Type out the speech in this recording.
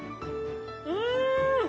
うん！